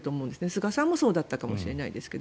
菅さんもそうだったかもしれないですが。